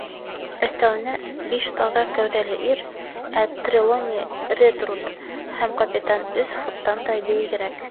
Өҫтәүенә, биш таҙа кәүҙәле ир, ә Трелони, Редрут һәм капитан өс футтан да бейегерәк.